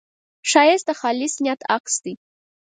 ښایست د خالص نیت عکس دی